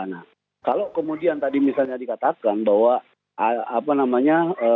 nah kalau kemudian tadi misalnya dikatakan bahwa apa namanya